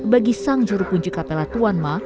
bagi sang juru puji kapela tuan ma